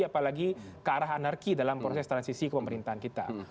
apalagi ke arah anarki dalam proses transisi pemerintahan kita